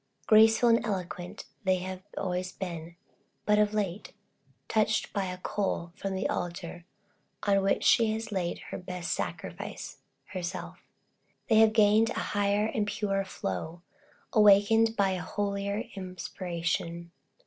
Graceful and eloquent they have always been, but of late touched by a coal from that altar on which she has laid her best sacrifice, herself they have gained a higher and purer flow, awakened by a holier inspiration.